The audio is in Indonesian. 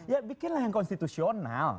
ya bikinlah yang konstitusional